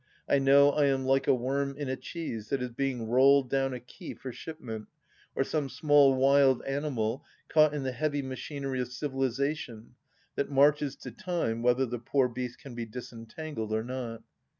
I know I am like a worm in a cheese that is being rolled down a quay for shipment, or some small wild animal caught in the heavy machinery of civilisation that marches to time whether the poor beast can be disentangled or not.